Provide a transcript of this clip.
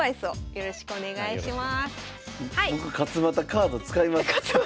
よろしくお願いします。